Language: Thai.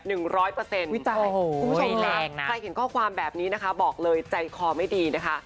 คุณผู้ชมค่ะใครเห็นข้อความแบบนี้นะคะบอกเลยใจคอไม่ดีนะคะ